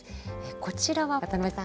こちらは渡辺さん